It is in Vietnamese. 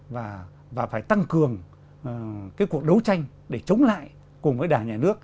nâng cường cái cuộc đấu tranh để chống lại cùng với đảng nhà nước